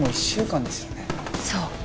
そう。